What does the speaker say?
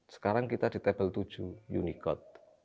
sekarang kita di table tujuh unicode